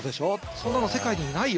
そんなの世界にいないよ